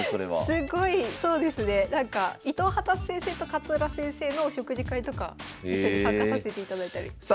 すごいそうですねなんか伊藤果先生と勝浦先生のお食事会とか一緒に参加させていただいたりしました。